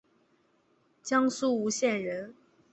江苏吴县人。